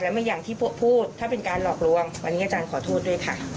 ไม่อย่างที่พูดถ้าเป็นการหลอกลวงวันนี้อาจารย์ขอโทษด้วยค่ะ